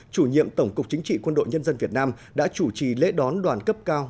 chủ nhiệm tổng cục chính trị quân đội nhân dân việt nam đã chủ trì lễ đón đoàn cấp cao